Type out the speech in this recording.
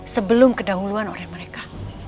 sebelum kedahuluan orang mereka